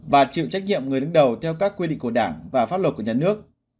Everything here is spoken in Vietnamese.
và chịu trách nhiệm người đứng đầu theo các quy định của đảng và pháp luật của nhà nước